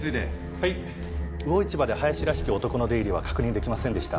はい魚市場で林らしき男の出入りは確認できませんでした。